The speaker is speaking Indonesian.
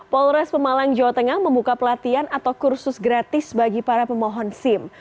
polres pemalang jawa tengah membuka pelatihan atau kursus gratis bagi para pemohon sim